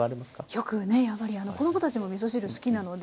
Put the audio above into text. よくねやはりあの子供たちもみそ汁好きなので。